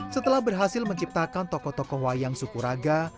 setelah berhasil menciptakan tokoh tokoh wayang sukuraga